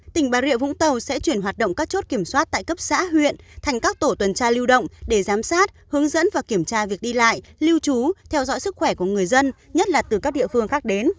tỉnh bà rịa vũng tàu sẽ chuyển hoạt động các chốt kiểm soát tại cấp xã huyện thành các tổ tuần tra lưu động để giám sát hướng dẫn và kiểm tra việc đi lại lưu trú theo dõi sức khỏe của người dân nhất là từ các địa phương khác đến